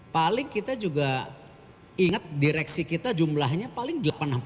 paling kita juga ingat direksi kita jumlahnya paling delapan puluh